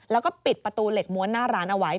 แล้วก็ปิดประตูเหล็กม้วนหน้าร้านเอาไว้